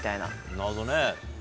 なるほどね。